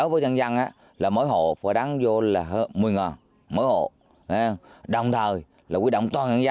bờ sông thu bồn